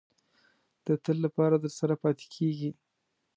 د تل لپاره درسره پاتې کېږي.